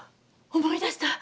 思い出した。